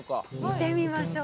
見てみましょう。